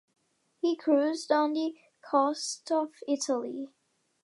He cruised on the coast of Italy.